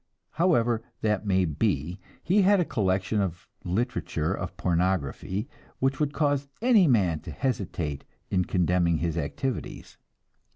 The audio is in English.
However that may be, he had a collection of the literature of pornography which would cause any man to hesitate in condemning his activities.